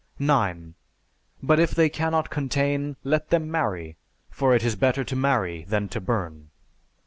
9. But if they cannot contain, let them marry: for it is better to marry than to burn.